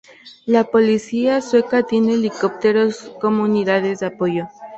La policía sueca tiene helicópteros como unidades de apoyo.